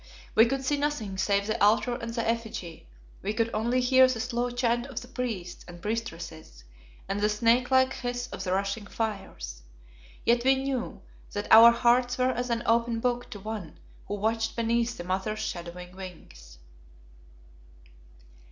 We could see nothing save the Altar and the Effigy, we could only hear the slow chant of the priests and priestesses and the snake like hiss of the rushing fires. Yet we knew that our hearts were as an open book to One who watched beneath the Mother's shadowing wings.